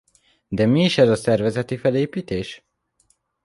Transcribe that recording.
De mi is ez a szervezeti felépítés?